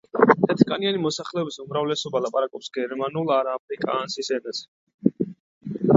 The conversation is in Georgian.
თეთრკანიანი მოსახლეობის უმრავლესობა ლაპარაკობს გერმანულ ან აფრიკაანსის ენაზე.